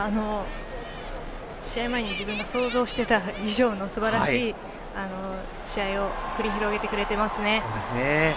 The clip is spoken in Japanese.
試合前に自分が想像していた以上のすばらしい試合を繰り広げてくれていますね。